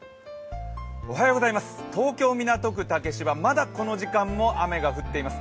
東京・港区竹芝、まだこの時間も雨が降っています。